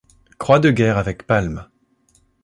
Croix de Guerre avec Palmes.